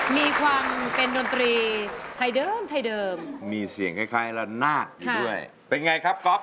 มีความเป็นดนตรีไทยเดิมไทยเดิมมีเสียงคล้ายละนาดอยู่ด้วยเป็นไงครับก๊อฟ